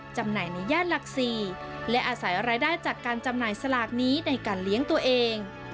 จำหน่ายในย่านหลัก๔และอาศัยรายได้จากการจำหน่ายสลากนี้ในการเลี้ยงตัวเอง